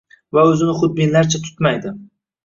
va o‘zini xudbinlarcha tutmaydi.